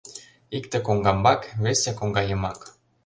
Икте коҥгамбак, весе коҥга йымак.